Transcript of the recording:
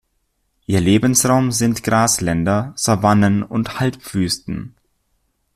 Ihr Lebensraum sind Grasländer, Savannen und Halbwüsten.